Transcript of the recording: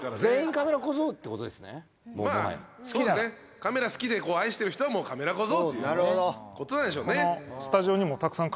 カメラ好きで愛してる人はカメラ小僧っていうことなんでしょうね